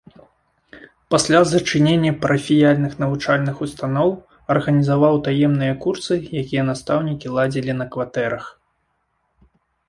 Пасля зачынення парафіяльных навучальных устаноў арганізаваў таемныя курсы, якія настаўнікі ладзілі на кватэрах.